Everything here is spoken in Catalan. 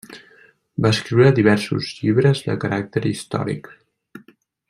Va escriure diversos llibres de caràcter històric.